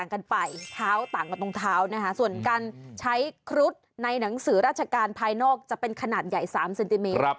กันไปเท้าต่างกันตรงเท้านะคะส่วนการใช้ครุฑในหนังสือราชการภายนอกจะเป็นขนาดใหญ่๓เซนติเมตร